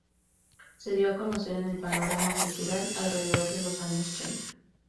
Se dio a conocer en el panorama cultural alrededor de los años treinta.